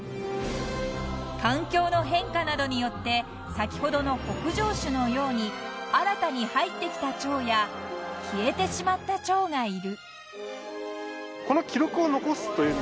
［環境の変化などによって先ほどの北上種のように新たに入ってきたチョウや消えてしまったチョウがいる］